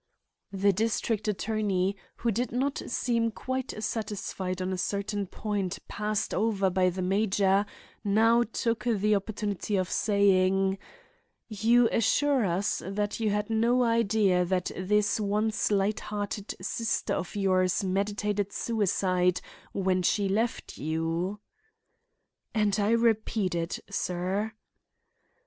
The district attorney, who did not seem quite satisfied on a certain point passed over by the major, now took the opportunity of saying: "You assure us that you had no idea that this once lighthearted sister of yours meditated suicide when she left you?" "And I repeat it, sir."